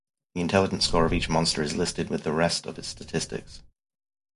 The Intelligence score of each monster is listed with the rest of its statistics.